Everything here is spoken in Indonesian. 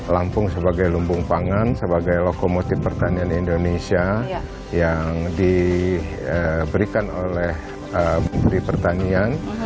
lampung sebagai lumbung pangan sebagai lokomotif pertanian indonesia yang diberikan oleh menteri pertanian